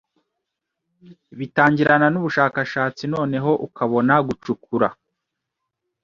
bitangirana n’ubushakashatsi noneho ukabona gucukura,